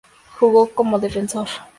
Jugó como defensor.